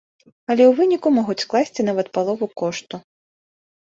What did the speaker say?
Але ў выніку могуць скласці нават палову кошту.